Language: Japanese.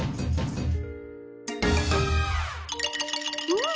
うん！